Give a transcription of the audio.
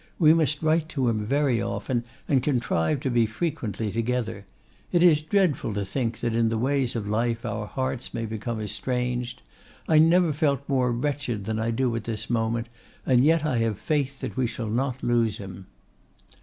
We must write to him very often, and contrive to be frequently together. It is dreadful to think that in the ways of life our hearts may become estranged. I never felt more wretched than I do at this moment, and yet I have faith that we shall not lose him.